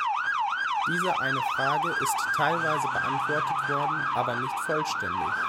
Diese eine Frage ist teilweise beantwortet worden, aber nicht vollständig.